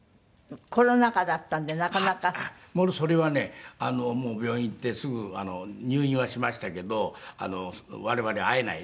それはね病院行ってすぐ入院はしましたけど我々会えない。